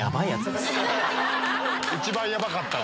一番ヤバかった。